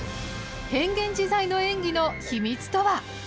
変幻自在の演技の秘密とは。